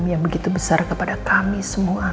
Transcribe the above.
yang begitu besar kepada kami semua